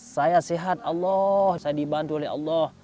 saya sehat allah saya dibantu oleh allah